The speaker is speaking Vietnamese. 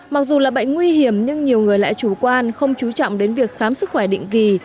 mặc dù là bệnh nguy hiểm nhưng nhiều người lại chủ quan không chú trọng đến việc khám sức khỏe định kỳ